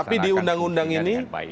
tapi di undang undang ini